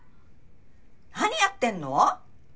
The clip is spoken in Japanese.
何やってんの？